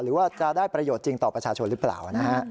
หรือว่าจะได้ประโยชน์จริงต่อประชาชนหรือเปล่านะฮะ